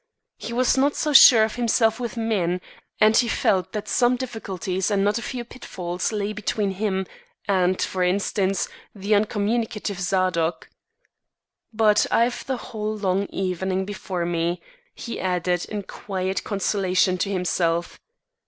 He was not so sure of himself with men; and he felt that some difficulties and not a few pitfalls lay between him and, for instance, the uncommunicative Zadok. "But I've the whole long evening before me," he added in quiet consolation to himself.